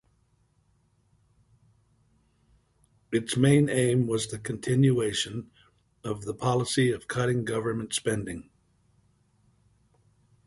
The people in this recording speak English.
Its main aim was the continuation of the policy of cutting government spending.